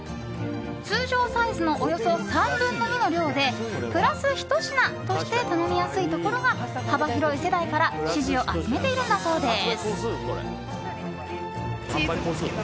通常サイズのおよそ３分の２の量でプラス１品として頼みやすいところが幅広い世代から支持を集めているんだそうです。